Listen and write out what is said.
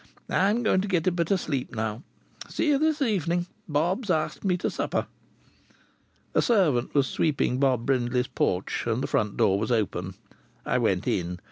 I'm going to get a bit of sleep now. See you this evening, Bob's asked me to supper." A servant was sweeping Bob Brindley's porch and the front door was open. I went in.